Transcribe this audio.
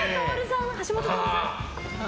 橋下徹さん？